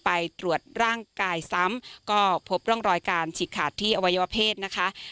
ไปตรวจร่างกายซ้ำก็พบร่องรอยการฉีกขาดที่อวัยวเพศนะคะ